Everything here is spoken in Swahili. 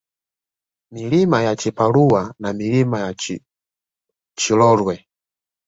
Milima ya Chiparua na Milima ya Chirolwe